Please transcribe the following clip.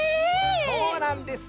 そうなんですよ。